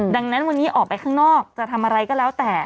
ดังนั้นวันนี้ออกไปข้างนอกจะทำอะไรก็แล้วแต่